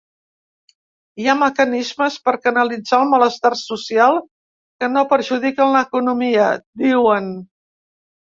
Hi ha mecanismes per canalitzar el malestar social que no perjudiquen l’economia, diuen.